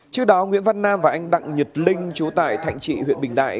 trước đó nguyễn văn nam và anh đặng nhật linh chú tại thạnh trị huyện bình đại